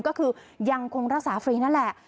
ก็คือยังคงรักษาฟรีนั่นแหละ